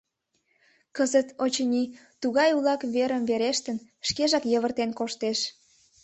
Кызыт, очыни, тугай улак верым верештын — шкежат йывыртен коштеш.